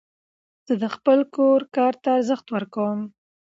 زه د خپل کور کار ته ارزښت ورکوم.